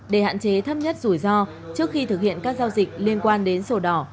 để hạn chế thấp nhất rủi ro trước khi thực hiện các giao dịch liên quan đến sổ đỏ